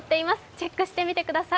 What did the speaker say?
チェックしてみてください。